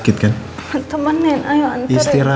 oh oke maaf tadi ada